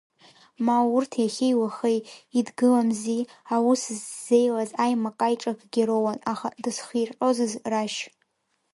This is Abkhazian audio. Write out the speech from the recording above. Ма урҭ иахьеи-уахеи идгыламзи, аус ззеилаз аимак-аиҿакгьы роуан, аха дызхирҟьозыз Рашь?